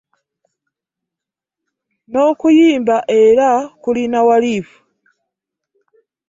N'okuyimba era kulina walifu.